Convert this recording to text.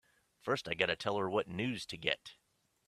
First I gotta tell her what news to get!